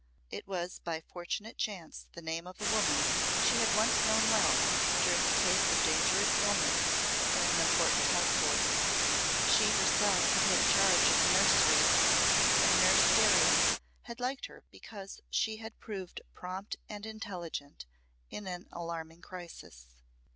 It was by fortunate chance the name of a woman she had once known well during a case of dangerous illness in an important household. She herself had had charge of the nursery and Nurse Darian had liked her because she had proved prompt and intelligent in an alarming crisis.